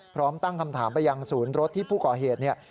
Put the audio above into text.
พร้อมตั้งคำถามไปยังศูนย์รถที่ผู้ก่อเหตุเนี่ย